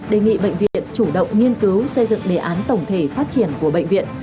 đề nghị bệnh viện chủ động nghiên cứu xây dựng đề án tổng thể phát triển của bệnh viện